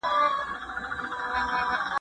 کتاب لوستل د شخصیت په جوړولو کي مرسته کوي.